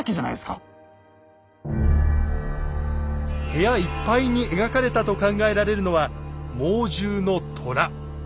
部屋いっぱいに描かれたと考えられるのは猛獣の虎。